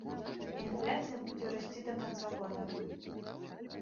Інфляцыя будзе расці да канца года.